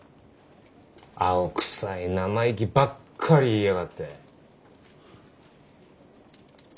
青臭い生意気ばっかり言いやがって。